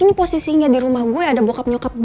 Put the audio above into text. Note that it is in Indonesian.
ini posisinya di rumah gue ada bokap nyokap gue